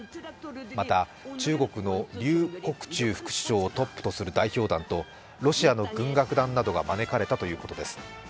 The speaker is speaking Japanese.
また、中国の劉国中副首相をトップとする代表団とロシアの軍楽団などが招かれたということです